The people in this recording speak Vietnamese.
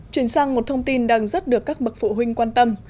chuyển sang một thông tin đang rất được các bậc phụ huynh quan tâm